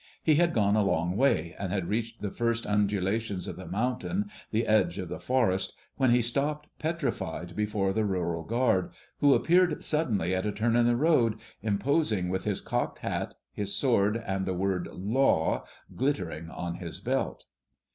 He had gone a long way and had reached the first undulations of the mountain, the edge of the forest, when he stopped petrified before the rural guard, who appeared suddenly at a turn in the road, imposing with his cocked hat, his sword, and the word "Law" glittering on his belt.